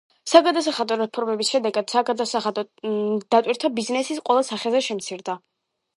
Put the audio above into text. საგადასახადო რეფორმის შედეგად, საგადასახადო დატვირთვა ბიზნესის ყველა სახეზე შემცირდა.